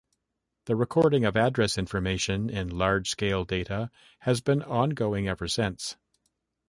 The recording of address information in large-scale data has been ongoing ever since.